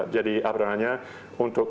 jadi apa namanya untuk